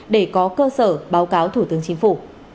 để có cơ sở báo cáo thủ tướng chính phủ